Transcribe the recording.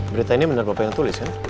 berita ini benar bapak yang tulis